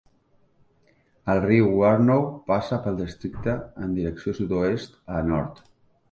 El riu Warnow passa pel districte en direcció sud-oest a nord.